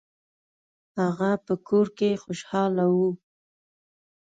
هغه په کور کې خوشحاله و.